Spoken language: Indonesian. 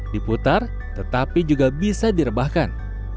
diputar tetapi juga bisa direbahkan